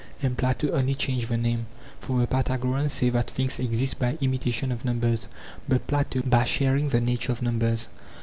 And Plato only changed the name, for the Pythagoreans say that things exist by imitation of numbers, but Plato, by sharing the nature of numbers.